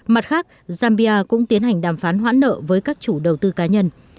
mặt khác zambia cũng tiến hành đàm phán hoãn nợ với các chủ đầu tư cá nhân